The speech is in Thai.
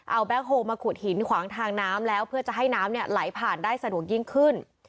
เอาแบ็คโฮลมาขุดหินขวางทางน้ำแล้วเพื่อจะให้น้ำไหลผ่านได้สะดวกยิ่งขึ้น